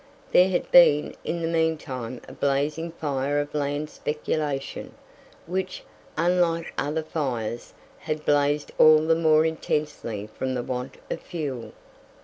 There had been in the meantime a blazing fire of land speculation, which, unlike other fires, had blazed all the more intensely from the want of fuel.